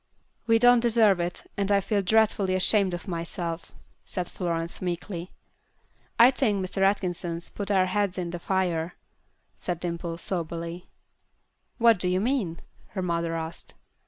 "We don't deserve it, and I feel dreadfully ashamed of myself," said Florence, meekly. "I think Mr. Atkinson put our heads in the fire," said Dimple, soberly. "What do you mean?" her mother asked.